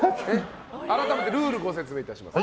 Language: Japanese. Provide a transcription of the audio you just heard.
改めてルールご説明します。